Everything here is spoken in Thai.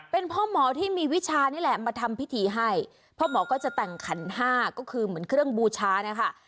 เป็นพ่อหมอที่มีวิชานี่แหละมาทำพิธีให้พ่อหมอก็จะแต่งขันห้าก็คือเหมือนเครื่องบูชานะคะ